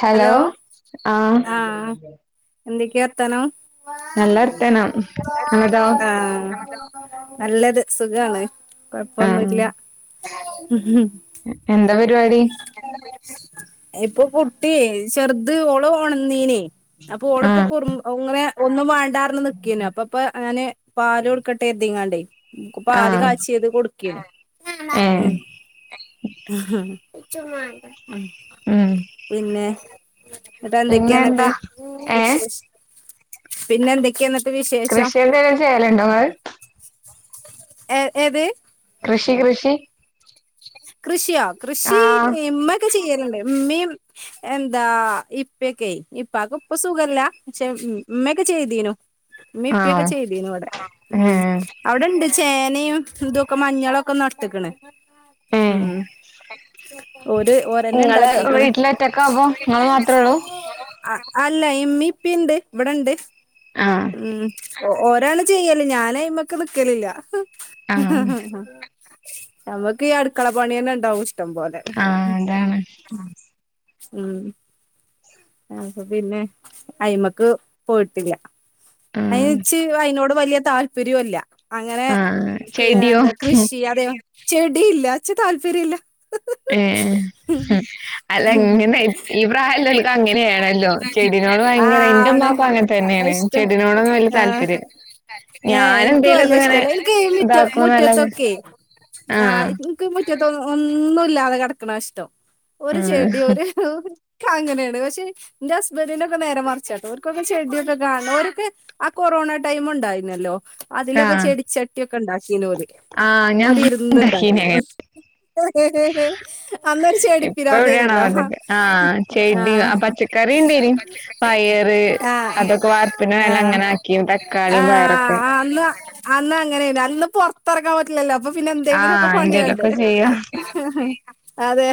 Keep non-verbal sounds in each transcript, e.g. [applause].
Hello ആഹ് എന്തൊക്ക്യാർത്താനം നല്ലർത്താനം അങ്ങൾതോ ആഹ് നല്ലത് സുഖാണ് ആഹ് കൊയ്പ്പൊന്നുല്ല എന്താ പരിപാടി ഇപ്പൊ കുട്ട്യെ ചെർത് ഓള് ഒണന്നീനി അപ്പൊ ഓള്പ്പ ആഹ് കുറും അങ്ങനെ ഒന്നും വേണ്ടാന്ന്പറഞ്ഞ് നിക്കേനു അപ്പപ്പൊ ഞാന് പാല് കൊടുക്കട്ടെ എന്ന് കര്തിക്കാണ്ടേ ഉം പ്പ പാല് ആഹ് കാച്ചിത് കൊടുക്ക് ക്ക്യാണ് ഏഹ് ഉം ഉംഉം ചുമ എണ്ട [unintelligible] ഉം ഉം പിന്നെ ന്നിട്ട് എന്തൊക്കെയാ പിന്നെ ന്നിട്ട് എന്താ വി ഏഹ് പിന്നെ എന്തൊക്കെയാണ് കൃഷി എന്തെലും ചെയ്യലുണ്ടോ ങ്ങള് ഏ ഏത് കൃഷി കൃഷി കൃഷിയൊ കൃഷി ആഹ് ഇമ്മൊക്കെ ചെയ്യല്ണ്ട് ഇമ്മീം എന്താ ഇപ്പക്കൊ ഇപ്പാക്ക് പ്പൊ സുഖല്ല പക്ഷെ ഉം ഇമ്മൊക്കെ ചെയ്തീന്നു മ്മീപ്പൊക്കെ ആഹ് ചെയ്തീന് ഇവിടെ ഉം ഏഹ് അവിടെണ്ട് ചേനയും ഇതൊക്കെ മഞ്ഞളൊക്കെ നട് ട്ട്ക്ക്ണ് ഏഹ് ഉം ഓര് ഓരന്നെ ഇങ്ങള് ഇണ്ടാക്കീക്കണ് വീട്ടിലൊറ്റക്കാവുമ്പോ ഇങ്ങള് മാത്രേ ഒള്ളൂ അല്ല ഇമ്മിം ഇപ്പിം ണ്ട് ഇവിടെണ്ട് ആഹ് ഉം ഓ ഓ ലാണ് ചെയ്യല്ല് ഞാന് അയ്മക്ക് നിക്കലില്ല ഹ് ഹ് ആഹ് ഹ് നമ്മക്ക് ക്ക് ഈ അടുക്കള പണി തന്നെ ഉണ്ടാവും ഇഷ് ട്ടം പോലെ ആഹ് ഉം അതാണ് ഉം ഉം അപ്പൊ പിന്നെ അയ്മ്മക്ക് പോയിട്ടില്ല അയിന് ആഹ് ച്ച് അയിനോട് വല്യ താല്പര്യോല്ല അങ്ങനെ ആഹ് ക്ക് ചെടിയോ എന്താ കൃഷി അതെ ചെടിയില്ല ച്ച് താല്പര്യം ഇല്ല ഏ അല്ല ഇങ്ങനെ ഈ പ്രായല്ലോല് ആ എന്റെ ആണ് ഉമ്മാക്കും അങ്ങനെ തന്നെയാണ് ഇഷ്ടം ചെടിനോടൊന്നും വല്യ ആ താല്പര്യം ഏ എനക്ക് വല്ല ഞാനെന്തേലൊക്കെ ഇങ്ങനെ ഇഷ്ടല്ല എനിക്ക് മി ഇതാക്കുന്നല്ലാതെ മുറ്റത്തൊക്കെ ആ ആഹ് നിക്ക് മുറ്റ ഇ ഒന്നുമല്ലാതെ കിടക്കണ ഇഷ്ടം ഒരു ആഹ് ചെടി ഒരു അങ്ങനെ പക്ഷെ എന്റെ ഹസ്ബന്റിന്റെ ഒക്കെ നേര മറിച്ച കേട്ടോ അവർക്കൊക്കെ ചെടിയൊക്കെ കാണും അവർക്കെ ആ കൊറോണ ടൈം ഉണ്ടായിുന്നല്ലോ അതിലൊക്കെ ആഹ് ചെടിച്ചട്ടിയക്കെ കണ്ടാ ആഹ് ഒഓ ഞാൻ ഉണ്ടാക്കീനി ഇരുന്ന്ണ്ടാക്കീര അങ്ങനെ അന്ന്ച്ച ഇപ്പൊ അടിപ്പിരാതേനല്ലോ പച്ചക്കറ ഉണ്ടും പയറ് ആഹ് അതൊക്കെ വാർപ്പിിന നല്ല ആഹ് അങ്ങനെ ആക്കി തക്കാളിയും പയറൊക്കെ ആഹ് അന്ന് അന്ന് അങ്ങനെ അന്ന് പുറത്തിറങ്ങാൻ പറ്റില്ലല്ലോ അപ്പൊ പിന്നെ എന്തെങ്കിലുമൊക്കെ ആഹ് പണിയുണ്ട് എന്തേലൊക്കെ ചെയ്യാ അതെ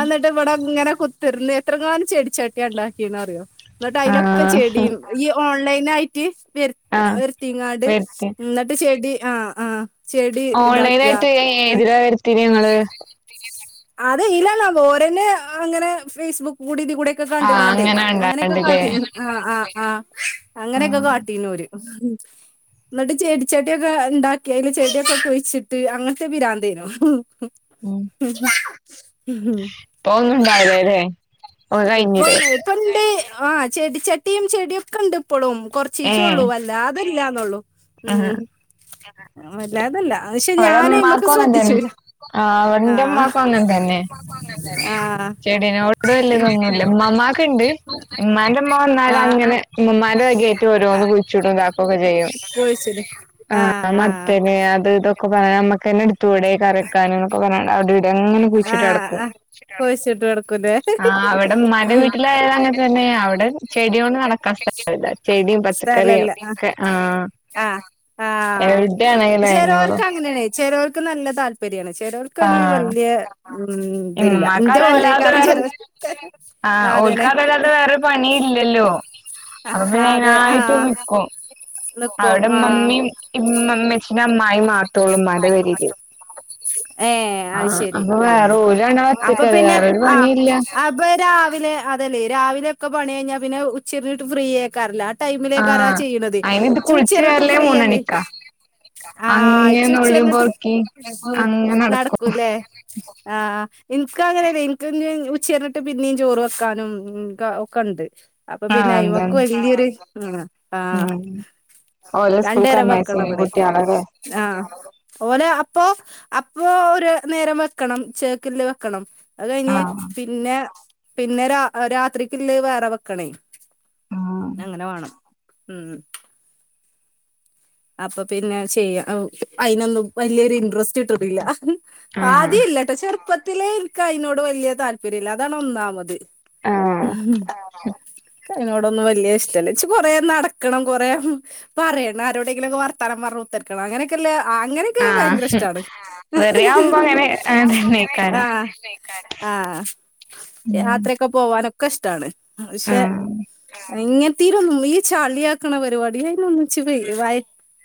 എന്നിട്ട് ഇവിടെ ഇങ്ങനെ തുന്ന എത്രകാനം ചെട ചേട്ട ഉണ്ടാക്കിന്ന്റിയോ എന്നട്ട് അതിലൊക്കെ ആഹ് ചെടിയും ഈ ഓൺലൈൻ പിന്നെ ആയിട്ട വ ആഹ് വരത്തിങ്ങാട് എന്നിട്ട് ചെടി ആഹ ആ ഓൺലൈന ആായിട്ട് ഏതിരാ വരുത്തി നിങ്ങള് അതെ ഇല്ലല്ല വോരന്നെ അങ്ങനെ ഫേസ്ബുക്ക് കൂടിലും കൂടെയൊക്കെ കണ്ട ആഹ് കാണ്ടേ അങ്ങനെ അങ്ങനെയൊക്കെ കാ ഉണ്ടാകണ്ടില്ലേ ആ ആഹ അങ്ങനെയൊക്കെ ആഹ് കാട്ടീനൂര് ഉ എന്നിട്ട് ചേട ചെട്ടിയൊക്കെ ഉണ്ടാക്കി അതില് ചെടിയൊക്കെക്കെഴിച്ചിട്ട് അങ്ങനത്തെ വിരാന്തേനും ഉം പോുന്നുണ്ടാവതെ അതെ ഇപ്പം ഇപ്പൊ ഒണ്ട് ആഹ ചെടി ചട്ടിയും ചെടിയൊക്കെ ഉണ്ട് ഇപ്പോളും കുറച്ച ചീച്ച ഏഹ് ഉള്ളൂ അല്ല അല്ലന്നള്ളൂ ഉം ആ അല്ലേ അതല്ല അവടെ മാക്കും അങ്ങൻ തന്നെ ആ അവന്റെ ആഹ് മാക്കും അങ്ങൻ തന്നെ ആഹ് ചെടിനെ ഓട അല്ലത്ങ്ങോട്ട് മ്മമ്മാക്ക്ണ്ട് ഉമ്മാന്റെമ്മ വന്നാലും ആഹ് അങ്ങനെ ഉമ്മമാന്റെ കകായിട്ട് ഓരോന്ന് ആഹ് കുച്ചിട്ടും ഇതാക്കൊക്കെ ചെയ്യും കുഴിച്ചിട് ആഹ് ആ ആഹ് മത്തന് അത് ഇതൊക്കെ പറ നമ്മുക്ക് എന്നെ എടുത്തൂവിടെ കറക്കാനൻ എന്നൊക്ക പറാനവിടെ [unintelligible] എങ്ങനെ കുഴിച്ചിട്ട ആഹ് ടക്കും ആഹ് കുഴിച്ചിട്ട് കൊടുക്കൂലേ ആ അവിടെ മാൻ്റെ വീട്ടിലായാലങ്ങനെ തന്നെയാ അവിടെ ചെടിയോണ്ട് നടക്കാൻ സ്ഥലല്ല ചെടിം പച്ചക്കറിം ഒക്കെ ആഹ് ആഹ് എവിടേണെങ്കിലും അതെന്നോള്ളു ചിലർക്ക് നല്ല താല്പര്യമാണ് ചെലോല്ക്ക് ആഹ് മ്മ് ഇതില്ല ഇമ്മമാക്ക് ഇന്റെ അതല്ലാതെ പോരെക്കാരം വേറെ ആഹ് ഓൽക്കതല്ലാതെ വേറൊരു പണീംല്ലല്ലോ ആഹ് അപ്പോ പിന്നെ അതെ അയിനായിട്ട് ആഹ് നിക്കും നിക്കും അവിടെ ആഹ് ഇമ്മമ്മിം ഇമ്മച്ചിൻ്റെ അമ്മ മ്മായിം മാത്രോളു മ്മാൻ്റെ പേരെൽ ഏഹ് ആ അത് ശരി അപ്പോ വേറെ ആഹ് ഓല് രണ്ടാളും അപ്പൊ ഒറ്റക്കല്ലേ പിന്നെ വേറൊരു ആഹ് പണില്ല അപ്പൊ രാവിലെ അതെല്ലേ രാവിലൊക്കെ പണി കഴിഞ്ഞാ പിന്ന ഉച്ചിര്ഞ്ഞിട്ട് ഫ്രീ ഏക്കാരല്ലോ ടൈമിലേക്കാരാ ആ ആഹ് ചെയ്യ്ണത് അയിന് ഇത് ജ്ജ് കുളിച്ച് ഉച്ചരിഞ്ഞിട്ടും കേറലേ ഫ്രീയല്ലേ മൂന്നണിക്കാ ആ അങ്ങനെ നുള്ളി പൊറുക്കി [unintelligible] അങ്ങനെ നടക്കും നടക്കൂല്ലേ ആ ആ ഇൻക്കങ്ങനലഎന ഉച്ചരഞ്ഞിട്ട് പിന്നിം ചോറ് വെക്കാനും ഒക്കെ ണ്ട് അപ്പൊ പിന്നെ അയ്മക്ക എന്താണ് വലിയൊരു മ്മ് ആഹ് ഓലെ രണ്ടേരം വെക്കണം സ്കൂൾക്കർഞ്ഞേച്ച് ഇവിടെ കുട്ട്യാളെലേ ആഹ് ഓലെ അപ്പോ അപ്പോ ഒരു നേരം വെക്കണം ചേക്കല്ല് വെക്കണം അത് കഴ്ഞ്ഞ് ആഹ് പിന്നെ പിന്നെ രാ രാത്രിക്കില്ലേ വേറെ വെക്കണേ ആഹ് അങ്ങനെ വാണം മ്മ് അപ്പോ പിന്നെ ചെയ്യ അയിനൊന്നും വല്യൊരു ഇന്ട്രസ്റ്റ് കിട്ടുന്നില്ല ആഹ് ആദ്യേല്ലട്ടോ ചെർപ്പ ത്തിലേ ഇന്ക്കയ്നോട് വല്യ താല്പര്യല്ല അതാണ് ഒന്നാമത് ഉ ആഹ് [unintelligible] ഇന്ക്കയ്നനോടൊന്നും വലിയ ഇഷ്ടല്ല ചച്ചി കൊറേ നടക്കണം കൊറേ പറയണം ആരോടെ ന്തെങ്കിലൊക്കെ വർത്തമാനം പറഞ്ഞുകത്തർക്കണം അങ്ങനെക്കെല്ലേ അത് അങ്ങനൊക്കെ ആഹ് ഭയങ്കരഷ്ടാണ് വെറിയാവുമ്പോ അങ്ങനെ അങ്ങനെ തന്നെയ്ക്കാരം ആഹ് ഉം യാത്രോക്കെ പോവാനൊക്കെ ഒക്കെഷ്ടാണ് പക്ഷെ ആഹ് ഇങ്ങന് ത്തീനൊന്നും ഈ ചാളിയാക്കണ പരിപാടി അയിതിന ഒന്നിച്ച് പ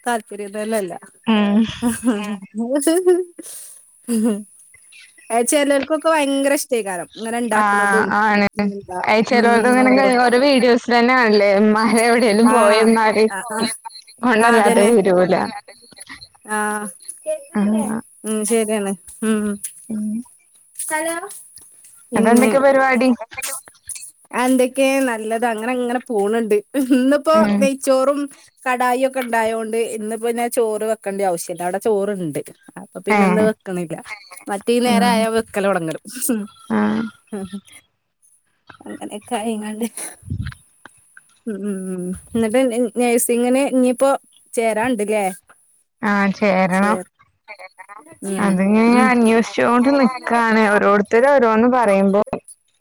താല്പര്യം വെലല്ല ഉം നൂറ് ചെരിപ്പ് ഏ ചെലര് ഇപ്പൊക്കെ ഭയങ്കര ഇഷ് ആ ആണ് എന്താ അയ് ഉം ചെലോല്ത്തങ്ങനെ ന്നെ ഓരോ വീഡിയോസ് തന്നെ കാണ്ല്ലേ ഇമ്മാരെ എവിടേലും പോയന്നാല് ഒന് അതെന്നെ ആ ആഹ് മ് ശരി പെയ്ത്ണ് മ് ഹലോ ന്ട്ട് എന്തൊക്കെ പരിപാടി ഒക്കെ നല്ലത് അങ്ങനെ അങ്ങനെ പോണ്ണ്ണ്ട് ഇന്ന്പോ ഉം നെയ്ച്ചോറും കടായി ഒക്കെ ഉണ്ടായതത്ൊണ്ട് ഇന്നിപ്പോ ഞാൻ ചോറ് വെക്കേണ്ട ആവശ്യം ഇല്ല അവിടെ ചോറണ്ട് അപ്പൊ പിന്നെന്ന് ഏഹ് വെക്ക്ണില്ല മറ്റേ ഈ ആഹ് നേരായാ വെ കലോടങലും ആഹ് ങ്ഹ് അങ്ങനെ ക്കായിങ്ങാട് ഇഹ് മ് എന്നിട്ട് നേസിങ്ങിന് ഇനിയിപ്പോ ചേരാൻണ്ട്ല്ലേ ആഹ് ശരി ചേരണം ഉ ഉ ഓരോർത്തര് ഓരോന് പറയ്ബോ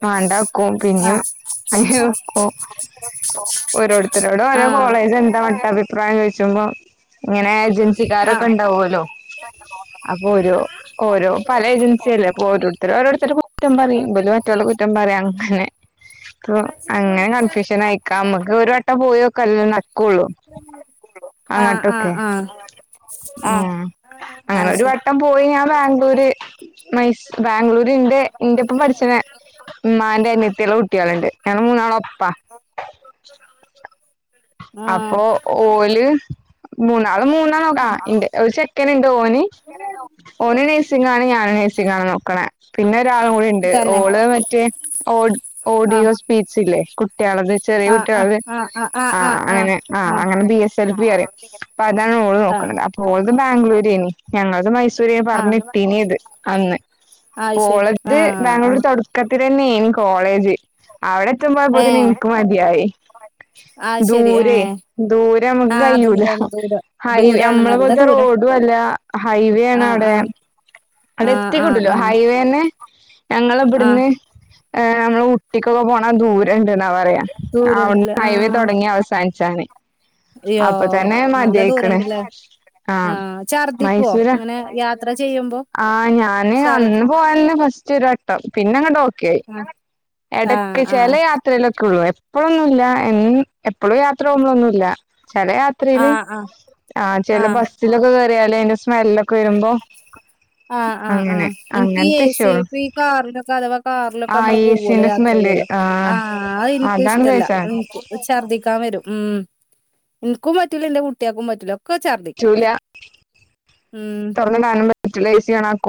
മാണ്ടാക്കും പിന്നിം ആഹ് അയ്ന്ക്കും ഓരോർത്തരോട്‌ ഓരോ ആഹ് കോളേജ് എന്താ ചുമ്പോ ഇങ്ങനെദ് ഏജൻസിക്കാരൊക്കെ ണ്ടാവോല്ലോ. അപ്പൊ ഓരോ ഓരോ പല ഏജൻസി അല്ലെ. ഓരോർത്തര് ഓരോര്ത്തരെ കുറ്റം പറയിം. ഇബല് മറ്റോലെ കുറ്റം പറയിം അങ്ങനെ. പ്പൊ അങ്ങനെ കൺഫ്യൂഷൻ ആയിരി ക്കാം നമ്ക്ക് ഒരു വട്ടം. പോയോ കല്ല നക്കള്ളൂ ആഹ് ആഹ് അങ്ങട്ടൊക്കെ ആഹ് ആഹ് ങേ അങ്ങനെ ആഹ് ഒരു ശരി വട്ടം പോയി ഞാൻ ബാംഗ്ലൂര് മൈസ് ബാംഗ്ലൂര് ന്റെ ഇന്റെപ്പം പഠിച്ച്ണെ ഇമ്മാന്റെ അന്യത്ത്യാളെ കുട്ട്യാള്ണ്ട് ഞങ്ങള് മൂന്നാളും ഒപ്പാ ആഹ് അപ്പൊ ഓല് മൂന്നാളും മൂന്നാ നോക്ക ഇന്റെ ഒരു ചെക്കന്ണ്ട് ഓന് ഓന് നഴ്സിങ്ങാണ് ഞാനും നഴ്സിങ്ങാണ് നോക്കണെ പിന്നെ ഒരാളും കൂടിണ്ട് തന്നെ ഓള് മറ്റേ ഓ ഓഡിയോ ആഹ് സ്പീച്ച് ഇല്ലെ കുട്ടിയളത് ചെറിയ ആഹ് കുട്ടിയലത് ആഹ് ആഹ് ആഹ് ആ ആഹ് ആഹ് അങ്ങനെ ആ ആഹ് അങ്ങനെ ബി എസ് എൽ ബി അറിയും അപ്പോ അതാണ് ഓള് ആഹ് ആഹ് നോക്കണത് അപ്പോ ഓൾത് ബാംഗ്ലൂര് നി ഞങ്ങൾ [unintelligible] സൂര്യ ആഹ് പറഞ്ഞിട്ട്നിയത് അന്ന് അത് ശരി പോളത് ആഹ് ബാംഗ്ലൂർ ആഹ് തോട്ക്കത്തി തന്നെ ൻ കോളേജ് അവിട എത്തുമ്പോ പാതിന് ഏഹ് ഇൻക് മതിയായി അത് ശരി ദൂരെ ഏഹ് ദൂരമ്മക്ക് ആഹ് കയ്യൂല ദൂരാണ് ദൂരം ഹൈ ദൂരാണ് നമ്മളെ നല്ല പോൽത്ത ദൂരം റോഡു അല്ല ഹൈവേ ആണ് ആഹ് അവിടെ ആഹ് അവിടെ ആഹ് ആഹ് എത്തികിട്ടൂല ആഹ് ഹൈവേന്നേ ഞങ്ങളെ ആഹ് ഇബിട്ന്ന് ഏ നമ്മള് ഉട്ടിക്കൊക്കെ പോണ ദൂരണ്ട്ന്നാ പറയാ അ അവ്ട്ന് ദൂരണ്ട്ല്ലേ ഹൈവേ ആഹ് തോടങ്ങി അവസാനിച്ചാന് അയ്യോ നല്ല ദൂരണ്ട്ല്ലെ ആ ആഹ് ഛർദിക്കോ മൈസൂരാ ഇങ്ങനെ യാത്ര ചെയ്യുമ്പോ ആഹ് ശർ രുവട്ടം പിന്നെ ങ്ങട്ട് ഓ ഏയ്‌ ആഹ് എടക്ക് ആഹ് ചെല യാത്രേലൊക്കെള്ളൂ എപ്പളും ല്ല എമം എപ്പളും യാത്ര പോമ്പോളൊന്നുല്ല ചല യാത്രയില് ആഹ് ആഹ് ആഹ് ആ ചല ബസ്സിലൊക്കെ കേറിയാല് അതിന്റെ സ്മല്ലോ ആ ആ ആ അങ്ങനെ ഇൻക്കി എ അങ്ങനത്തെ സി ഇഷ്യൂള്ളു ഇപ്പ ഈ കാർലൊക്കെ അഥവാ കാറ് ലൊക്കെ ആ നമ്മള് പോവലോ ഏസിന്റെ സ്മെല്ല് യാത്രെയ്യോലോ ആ അനിക്ക് അതാണ് ഇഷ്ടല്ല തേച്ചാ എനിക്ക് ഛർദ്ദിക്കാൻ വരും ഉം ഇൻക്കും പറ്റൂല്ല ന്റെ കുട്ടിയക്കും പറ്റുല ക്ക ചർദിക്കും പറ്റൂല ഉം അനറ്റിലൈസ ചെയ [unintelligible]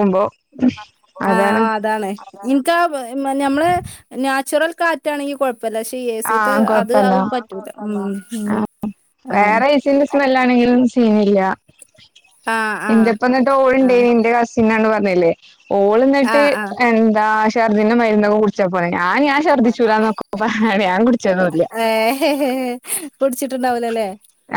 ആ അതാണ് ഇൻക്ക ആ ഞമ്മള് നാച്ചുറൽ കാറ്റാണെങ്കിൽ കോഴപ് ഇപ്പലക്ഷി എ ആ സി ത്തെ അത് അ കൊഴപ്പല്ല പറ്റൂല മം ആ വേറെ എ സി ന്റെ സ്മെല്ലാണങ്കി മം ചെയ്ന്നില്ല ആഹ് ആഹ് എന്റെപ്പം എന്നിട്ട് ഓള് ആഹ് ണ്ടയിനി എന്റെ കസിനന്ന് പ ന്ന് ല്ലെ ഓൾന്നിട്ട് ആഹ് ആഹ് എന്താ ഷർദിന്റെ മ എന്നകുറിച്ചാ പറെ ഞാൻ ഞാൻ ശർദിച്ചൂലാന്ന്ക്ക പറ ഞാൻ കുടിച്ചന്നുല്ല പടിച്ചിട്ടുണ്ടാവൂല അല്ലേ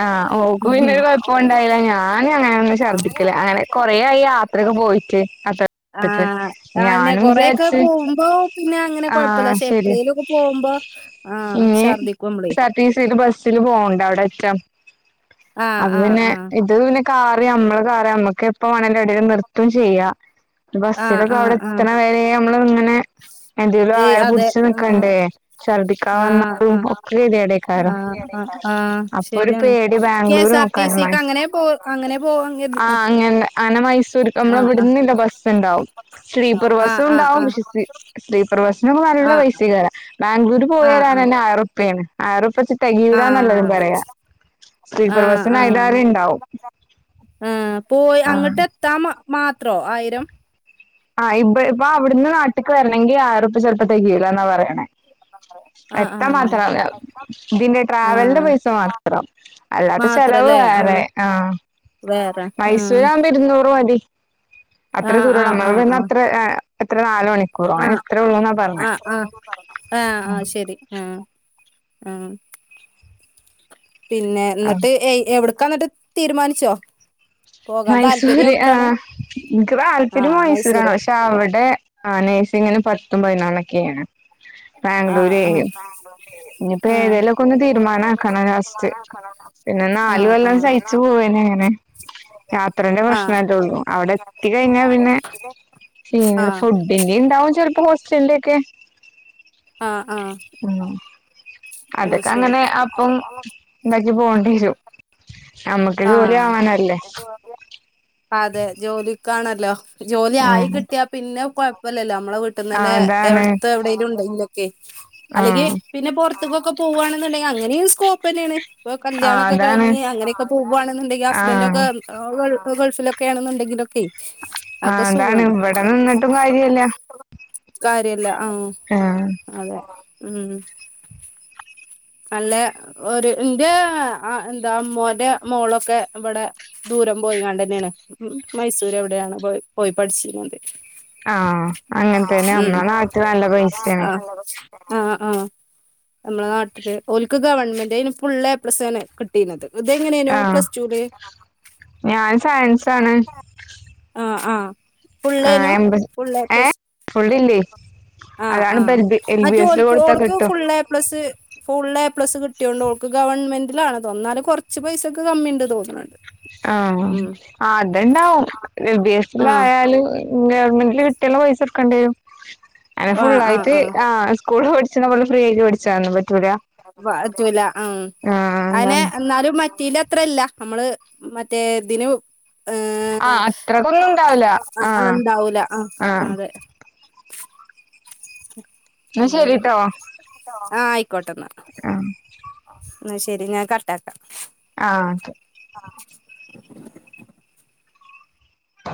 ആഹ ഓക്ക് പിന്നെരു കുഴപ്പം ഇണ്ടായില്ല ഞാനൻ അങ്ങനെ ഒന്നും ഛർദ്ദിക്കല അങ്ങനെ കൊറ ആയി യാത്രയൊക്കെ പോയിട്ട് അത്ര് ആഹ് ആന്നെ ഞാനും കൊറെയൊക്കെ വിചാരിച്ച് പോകുമ്പോ പിന്നെ അങ്ങനെ ആഹ കൊഴപ്പല്ല ആ പക്ഷെ ശരി എപ്ലേലൊക്കെ പോകുമ്പോ ആഹ് ഇനി ഛർദിക്കും കെ നമ്മളെ യെസ് റ് ടി സി ബസ്സിൽ പോണ്ട അവിടെ ആ ആഹ് അത് ആഹ് പിന്നെ ആഹ് ഇത് പിന്നെ കാറ് നമ്മളെ കാറ് നമ്മക്കെപ് എപ്പൊ വാണേലും എവടേലും നിർത്തും ചെയ്യാ ആഹ് ബസ്സിലൊക്കെ ആഹ് അവടെ ആഹ് എത്ത്ണ വരേ നമ്മള് ഇങ്ങനെ എന്തേലും ഏയ് ആയാ അതെ പുട്ച്ച് ആഹ് നിക്കണ്ടേ ഛർദിക്കാ ആഹ് വന്നാലും ആഹ് ഒക്കെ ഗതിയേടേക്കാരം ആഹ് ആഹ് ആഹ് ഒരു ശരിയാണ് പേടി K Bangalore S R T നോക്കാന് സിക്ക് മനസ് അങ്ങനെ പോ അങ്ങനെ പോവാൻ കരുതി ആ അങ്ങനെ അങ്ങനെ മൈസൂർ ആഹ് നമ്മളവ്ടന്നില്ല ബസ് ഇണ്ടാവും. സ്ലീപ്പർ ആഹ് ബസ്സും ഉണ്ടാവും ആഹ് ആഹ് സ്ലീ സ്ലീപർ ബസ് ഇന്നൊക്കെ നല്ല ആഹ് പൈസയ്‌ക്കാരം ബാംഗ്ലൂര് പോയി ആഹ് ആഹ് വരാൻ ആഹ് തന്നെ ആയിരം റുപ്പയാണ് ആയിരം റുപ്പിയ തെകയുലാന്നാ എല്ലാരും പറയ ആ ആ ആ പോയി ആ അങ്ങട്ട് എത്താമ മാത്രോ ആയിരം ആ ഇപ്പ ഇപ്പൊ അവിടുന്ന് നാട്ട്ക്ക് വരണെങ്കി ആയിരൊർപ്പ്യ ചെലപ്പം തെകയുലാ ന്നാ പറയണേ ആഹ് എത്താ ആഹ് മാത്ര ഇതിന്റെ ട്രാവലിന്റെ ആഹ് പൈസ മാത്രം അല്ലാത്ത ചെലവ് മാത്രല്ലേ വേറെ ആഹ് ആ വേറെ മൈസൂര് ആവുമ്പോ ഇരുന്നൂറ് മതി അത്ര ആഹ് ദൂരള്ളൂ ആഹ് നമ്മ ആഹ് ഇവട്ന്ന അത്ര എ എത്ര നാല് മണിക്കൂറൊ അങ്ങനെ ആഹ് എത്രേ ഉള്ളൂ എന്നാ ആഹ് പറഞ്ഞേ ആഹ് ആഹ് ആഹ് ആ പിന്നെ ന്നിട്ട് എ എവിടെ ക്ക ന്നിട്ട് തീരുമാനിച്ചോ പോകാൻ താല്പര്യം മൈസൂര് ആ എവിടക്കാണ് ഇൻക്ക് താല്പര്യം ആഹ് മൈസൂരാണ് മൈസൂരോ പക്ഷെ അവിടെ ആ നേഴ്സിങ്ങിന് പ ത്തും പതിനൊന്നും ഒക്കെയാണ് ആഹ് ആഹ് ബാംഗ്ലൂരെയ് ഇനിപ്പോ ആഹ് ഏതേലൊക്കെന്ന് തീരുമാന ആക്കണം ജസ്റ്റ് പിന്നെ നാല് ആഹ് കൊല്ലം ആഹ് സഹിച്ചു പോവന്നെ അങ്ങനെ അത്രേന്റെ പ്രശ്ന ആഹ് ആയിട്ടൊള്ളൂ അവിടെ എത്തി കഴിഞ്ഞാൽ പിന്നെ പി ആഹ് ഫുഡിന്റെ ണ്ടാവും ചിലപ്പോ ഹോസ്റ്റലിന്റെ ഒക്കെ ആ ആ ഉം അതൊക്കെ അങ്ങനെ അപ്പം ഉണ്ടാക്കി പോണ്ട്യേരും. ആഹ് അതെ ജോലി ക്കാണല്ലോ ജോലി ആയി ഉം കിട്ടിയാ പിന്നെ കൊയ പ്പല്ലല്ലോ. നമ്മളെ വീട്ടീന്ന്ന്നെ ആഹ് അതാണ് എവിട്ത്തെ എവിടേലുംണ്ടങ്കിലൊ ക്കെയ് അല്ലെങ്കി ആഹ് പിന്നെ പൊറത്ത്ക്കൊക്കെ പോവാണ്ന്ന്ണ്ടെ അങ്ങനീം സ്കോപ്പെന്നേണ്. ഇപ്പൊ ആഹ് കല്യാണൊക്കെ അതാണ് കഴിഞ്ഞ് അങ്ങനെക്കെ പോവാണ് ന്ന്ണ്ടെങ്കി ഹസ്ബൻഡൊക്കെ ആഹ് [unintelligible] ക്കെ ഗൾഫിലൊക്കേണ്ന്ന്ണ്ടെങ്കിലൊ ക്കെയ് ആ അപ്പൊ അതാണ് സുഖാണ്. ഇവിടെ നിന്നിട്ടും കാര്യല്ല കാര്യ ല്ല. ആ അതേ. ഉം. നല്ല ഒരു എന്റെ എന്താ അമ്മോന്റെ മോളൊക്കെ ഇവിടെ ദൂരം പോയികണ്ടെ ന്നെയാണ് ഉ മൈസൂര് എവിടെയാണ് പോ പോയി പഠിച്ചിരിക്കുന്നത് ആ അങ്ങെൻ തന്നെ നമ്മള നാട്ട് നല്ല പൈസേണ്. ആ ആ നമ്മളെ നാ ട്ട്ല് ഓൽക്ക് ഗവൺമെന്റ് അയിന് ഫുള്ള് ഏ പ്ലസ് ആണ് കിട്ടീണെത്. ഇതെങ്ങനെയെനു ആ പ്ലസ് ടു ല് യെൻസാണ്. ആ ഫുള്ളേനു. ഫുൾ ഏ പ്ല സ് ഫുള്ളില്ലേ ആ അതാണ് ആ ഇപ്പൊ എൽ ബി എൽ ബി എസിൽ മറ്റൊൽക്ക് കൊടുത്താ ഓൾക്ക് കിട്ടും full A plus. Full A plus കിട്ടിയോണ്ട് ഓൾക്ക് ഗവൺമെന്റിലാണ് ഇത് ഒന്നാലും കൊറച്ച് പൈസക്ക് കമ്മിണ്ട് തോന്ന് ണ് ണ്ട്. ആ ഉം ആ അത്ണ്ടാവും എൽ ബി എസ് ല് ആഹ് ആയാല് നേർമെന്റില് കിട്ടിയാൽള്ള പൈസയെട്ക്കെണ്ടിരും. അനെ ആഹ് ഫുള്ളായിട്ട് ആഹ് ആഹ് ആ സ്കൂള് പഠിച്ച ച്ച്ണ ഇവ്ട്ന്ന് ഫ്രീ ആയിട്ട് പഠിച്ചാണ് [unintelligible] പാറ്റൂല മ് ആ അയിന് എന്താണ് ഇന്നാലും മറ്റീൻന്റെ അ ത്രല്ല നമ്മള് മറ്റേ ഇതിന് ആ ഏഹ് അത്രക്കൊന്നും ഇണ്ടാവില്ല ആ ആ അതെ എന്നാ ശരിട്ടോ ആ ആയിക്കോട്ടെന്നാ ആ ന്ന ശരി ഞാൻ കട്ടാക്കാം ആ ക്ക്